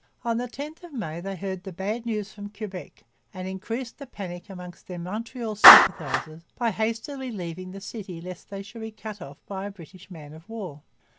On the 10th of May they heard the bad news from Quebec and increased the panic among their Montreal sympathizers by hastily leaving the city lest they should be cut off by a British man of war.